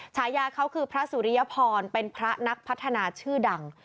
ฉายาเขาคือพระสุริยพรเป็นพระนักพัฒนาชื่อดัง